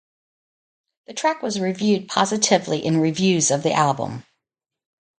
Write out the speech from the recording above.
The track was reviewed positively in reviews of the album.